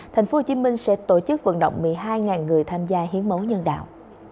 tp hcm sẽ tổ chức vận động một mươi hai người tham gia hiến máu nhân đạo